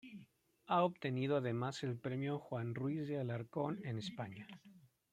Ha obtenido además el premio "Juan Ruiz de Alarcón" en España.